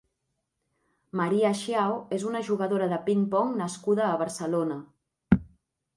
María Xiao és una jugadora de ping-pong nascuda a Barcelona.